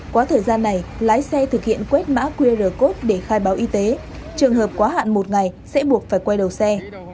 quá thời gian này lái xe thực hiện quét mã qr code để khai báo y tế trường hợp quá hạn một ngày sẽ buộc phải quay đầu xe